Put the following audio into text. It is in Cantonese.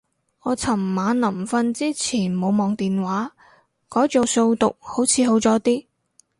我尋晚臨瞓之前冇望電話，改做數獨好似好咗啲